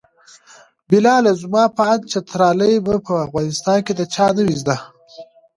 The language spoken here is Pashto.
بلاله زما په اند چترالي به په افغانستان کې د چا نه وي زده.